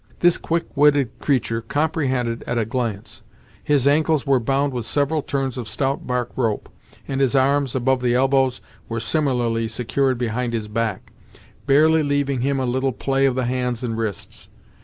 This quick witted creature comprehended it at a glance. His ankles were bound with several turns of stout bark rope, and his arms, above the elbows, were similarly secured behind his back; barely leaving him a little play of the hands and wrists.